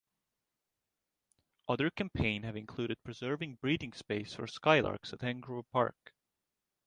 Other campaign have included preserving breeding space for skylarks at Hengrove Park.